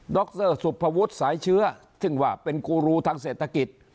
ด็อกเซอร์สุภวุฒิสายเชื้อถึงว่าเป็นกูรูทางเศรษฐกิจ